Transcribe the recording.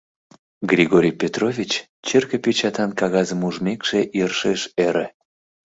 Григорий Петрович, черке печатян кагазым ужмекше, йӧршеш ӧрӧ.